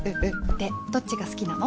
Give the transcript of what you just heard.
でどっちが好きなの？